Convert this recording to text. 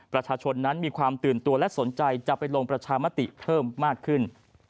ประชาชนนั้นมีความตื่นตัวและสนใจจะไปลงประชามติเพิ่มมากขึ้น